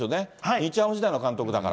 日ハム時代の監督だから。